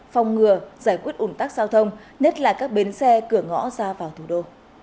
phòng ngừa giải quyết ủn tắc giao thông nhất là các bến xe cửa ngõ ra vào thủ đô